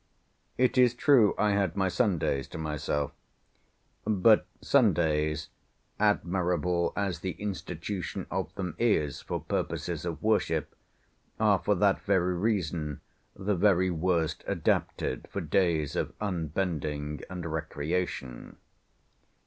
It is true I had my Sundays to myself; but Sundays, admirable as the institution of them is for purposes of worship, are for that very reason the very worst adapted for days of unbending and recreation.